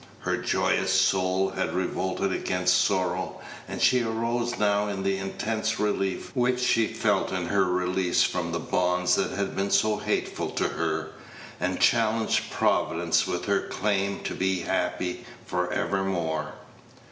Her joyous soul had revolted against sorrow, and she arose now in the intense relief which she felt in her release from the bonds that had been so hateful to her, and challenged Providence with her claim to be happy for evermore.